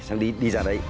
xong đi ra đấy